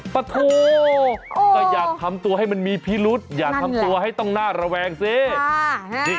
ปะโธก็อยากทำตัวให้มันมีพิรุษอยากทำตัวให้ต้องหน้าระแวงสินั่นแหละ